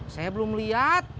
saya belum lihat